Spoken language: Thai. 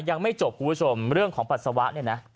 ยังไม่จบคุณผู้ชมเรื่องของปัสสาวะเนี่ยนะ